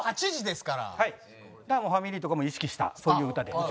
だからもうファミリーとかも意識したそういう歌で。